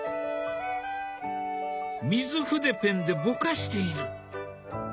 水筆ペンでぼかしている。